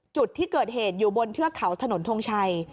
จุดที่เกิดเหตุอยู่บนเทือกเขาถนนทงชัย